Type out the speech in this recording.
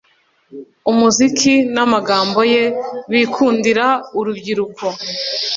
Umuziki namagambo ye bikundira urubyiruko